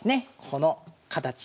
この形。